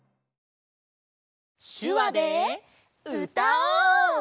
しゅわでうたおう！